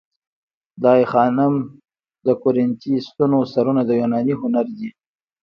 د آی خانم د کورینتی ستونو سرونه د یوناني هنر دي